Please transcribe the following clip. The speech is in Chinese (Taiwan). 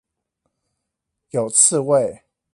有刺蝟